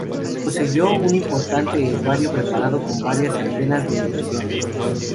Poseyó un importante herbario preparado con varias centenas de impresiones.